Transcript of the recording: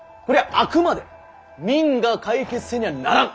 あくまで民が解決せにゃならん。